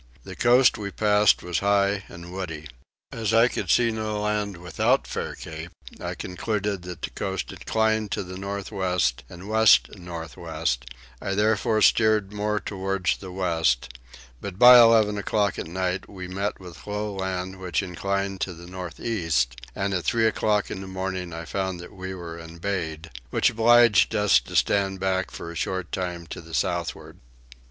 The coast we passed was high and woody. As I could see no land without Fair Cape I concluded that the coast inclined to the north west and west north west: I therefore steered more towards the west; but by eleven o'clock at night we met with low land which inclined to the north east, and at three o'clock in the morning I found that we were embayed, which obliged us to stand back for a short time to the southward.